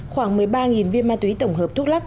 khoảng một mươi ba viên ma túy tổng hợp thuốc lắc